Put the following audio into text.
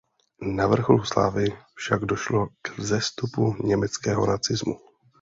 Na vrcholu slávy však došlo k vzestupu německého nacismu.